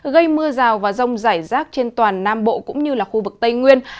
gây mưa rào và rông rải rác trên toàn nam bộ cũng như là khu vực tây nguyên